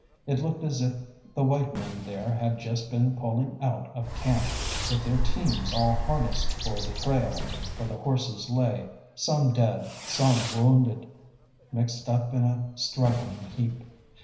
It looked as if the white men there had just been pulling out of camp, with their teams all harnessed for the trail, for the horses lay, some dead, some wounded, mixed up in a struggling heap.